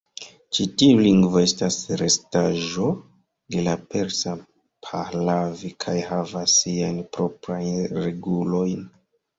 Ĉi tiu lingvo estas restaĵo de la persa Pahlavi kaj havas siajn proprajn regulojn.